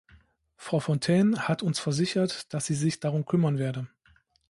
Frau Fontaine hat uns versichert, dass sie sich darum kümmern werde.